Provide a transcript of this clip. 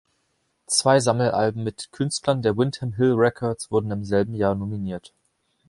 Zwei Sammelalben mit Künstlern der Windham Hill Records wurden im selben Jahr nominiert.